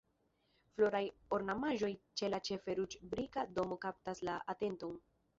Floraj ornamaĵoj ĉe la ĉefe ruĝ-brika domo kaptas la atenton.